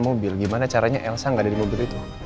mobil gimana caranya elsa nggak ada di mobil itu